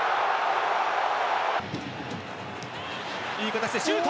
いい形でシュート。